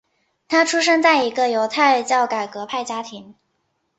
他出生在一个犹太教改革派家庭。